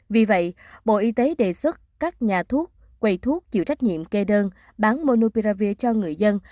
vì vậy bộ y tế đề xuất các nhà thuốc quầy thuốc chịu trách nhiệm kê đơn bán monopiravi cho người dân